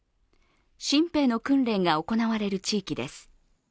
新兵の訓練が行われる地域です。